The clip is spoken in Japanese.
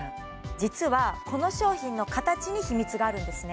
実はこの商品の形に秘密があるんですね